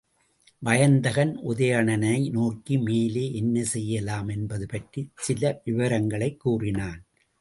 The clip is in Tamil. வயந்தகன், உதயணனை நோக்கி மேலே என்ன செய்யலாம் என்பது பற்றிச் சில விவரங்களைக் கூறினான்.